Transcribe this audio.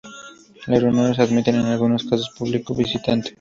Las reuniones admiten en algunos casos público visitante.